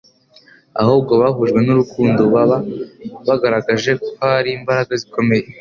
ahubwo bahujwe n'urukundo, baba bagaragaje ko hari imbaraga ikomeye